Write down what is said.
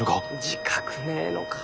自覚ねえのか。